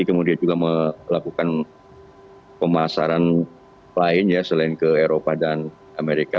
kemudian juga melakukan pemasaran lain ya selain ke eropa dan amerika